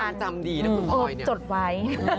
หูฟังจำดีนะคุณพลอยเนี่ยเออจดไว้